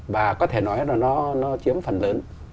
và có thể nói là nó chiếm phần lớn